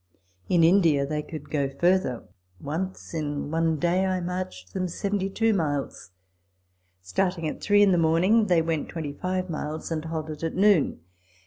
In India they could go further. Once in one day I marched them seventy two miles. Starting at three in the morning, they went twenty five miles, and halted at noon.